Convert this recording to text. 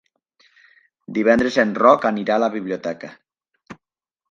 Divendres en Roc anirà a la biblioteca.